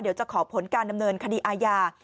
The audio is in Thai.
เดี๋ยวจะขอผลการดำเนินคดีอาญา